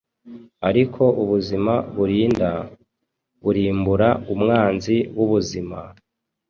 Ariko ubuzima burinda, burimbura umwanzi wubuzima,